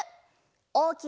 「おおきな